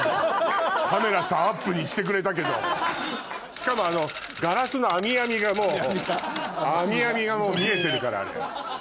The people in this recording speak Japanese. しかもあのガラスのあみあみがもうあみあみが見えてるからあれ。